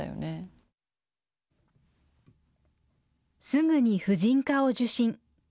すぐに婦人科を受診。